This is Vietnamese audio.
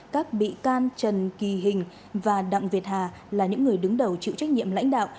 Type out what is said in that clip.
các bị can trần kỳ hình và đặng việt hà là những người đứng đầu chịu trách nhiệm lãnh đạo